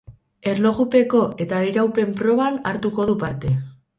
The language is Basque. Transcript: Erlojupeko eta iraupen proban hartuko du parte.